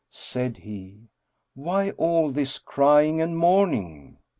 Said he, "Why all this crying and mourning?"